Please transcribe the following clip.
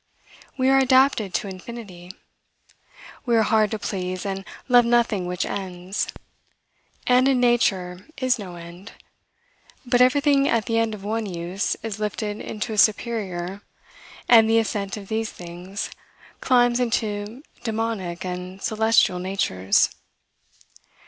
We are adapted to infinity. We are hard to please, and love nothing which ends; and in nature is no end; but everything, at the end of one use, is lifted into a superior, and the ascent of these things climbs into daemonic and celestial natures.